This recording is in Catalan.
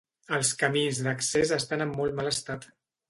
Els camins d'accés estan en molt mal estat.